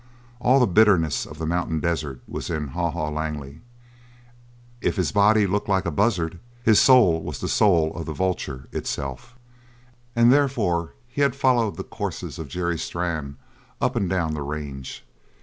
All the bitterness of the mountain desert was in Haw Haw Langley; if his body looked like a buzzard, his soul was the soul of the vulture itself, and therefore he had followed the courses of Jerry Strann up and down the range.